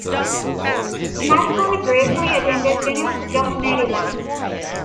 McCoy briefly attended University of Maryland.